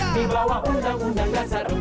di bawah undang undang dasar empat puluh lima